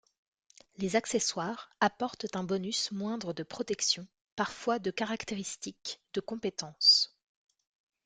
Les accessoires apportent un bonus moindre de protection, parfois de caractéristique, de compétence.